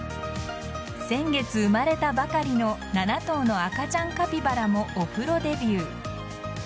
先月生まれたばかりの７頭の赤ちゃんカピバラもお風呂デビュー。